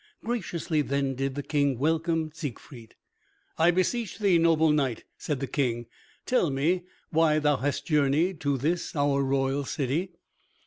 Graciously then did the King welcome Siegfried. "I beseech thee, noble knight," said the King, "tell me why thou hast journeyed to this our royal city?"